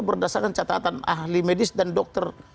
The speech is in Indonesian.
berdasarkan catatan ahli medis dan dokter